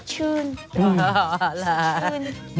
อ๋อล่ะสดชื่นคุณพี่คะสดชื่น